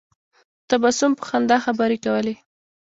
په تبسم په خندا خبرې کولې.